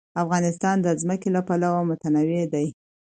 افغانستان د ځمکه له پلوه متنوع دی.